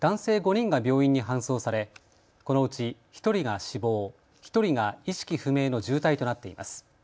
５人が病院に搬送されこのうち１人が死亡、１人が意識不明の重体となっています。